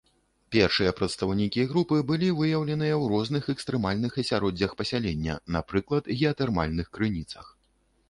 Першыя прадстаўнікі групы былі выяўленыя ў розных экстрэмальных асяроддзях пасялення, напрыклад геатэрмальных крыніцах.